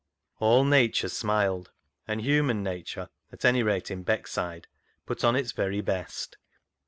All nature smiled, and human nature, at any rate in Beckside, put on its very best.